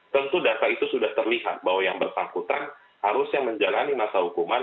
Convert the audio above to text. tentu data itu sudah terlihat bahwa yang bertangkutan harus yang menjalani masa hukuman